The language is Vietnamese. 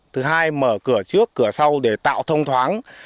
thứ hai mở cửa trước cửa sau để tạo thông thoáng